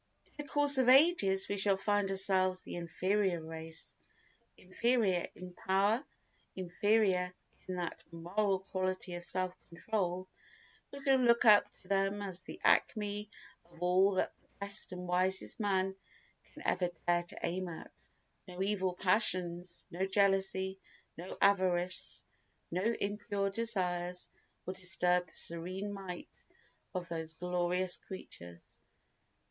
In the course of ages we shall find ourselves the inferior race. Inferior in power, inferior in that moral quality of self control, we shall look up to them as the acme of all that the best and wisest man can ever dare to aim at. No evil passions, no jealousy, no avarice, no impure desires will disturb the serene might of those glorious creatures.